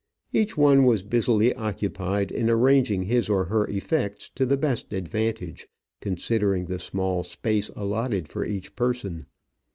Each one was busily occupied in arranging his or her effects to the best advantage considering the small space allotted for each person.